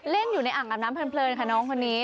เล่นอยู่ในอ่างอาบน้ำเพลินค่ะน้องคนนี้